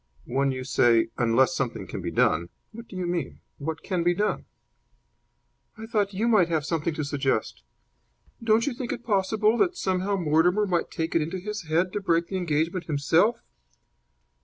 "When you say 'unless something can be done,' what do you mean? What can be done?" "I thought you might have something to suggest. Don't you think it possible that somehow Mortimer might take it into his head to break the engagement himself?"